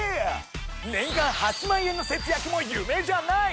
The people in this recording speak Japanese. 年間８万円の節約も夢じゃない！